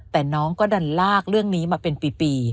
แต่น้องก็ดันลากเรื่องนี้มาเป็นปี